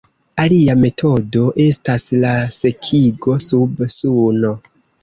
Alia metodo estas la sekigo sub Suno.